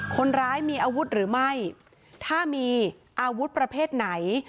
คนร้ายมีอาวุธหรือไม่ถ้ามีอาวุธประเภทไหน